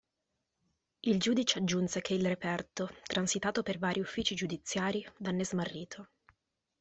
Il giudice aggiunse che il reperto, transitato per vari uffici giudiziari, venne smarrito.